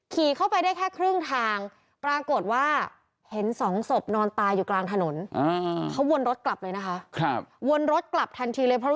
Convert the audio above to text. และสิ่งต่างก็คือ